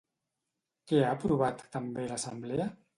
Què ha aprovat també l'assemblea?